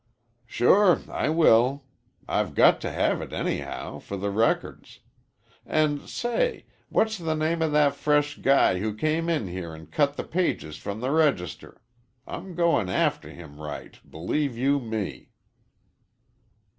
"Sure I will. I've got to have it, anyhow, for the records. And say, what's the name of that fresh guy who came in here and cut the page from the register? I'm going after him right, believe you me."